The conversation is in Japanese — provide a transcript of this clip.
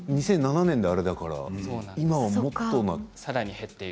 ２００７年であれですから今はもっと。